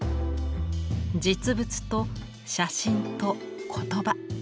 実物と写真と言葉。